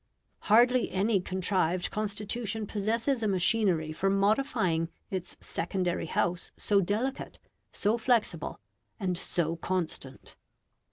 Hardly any contrived constitution possesses a machinery for modifying its secondary house so delicate, so flexible, and so constant.